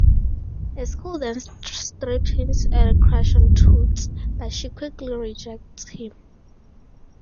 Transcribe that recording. A school-dance strip hints at a crush on Toots, but she quickly rejects him.